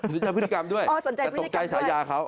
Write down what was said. สนใจพฤติกรรมด้วยแต่ตกใจฉายาเขา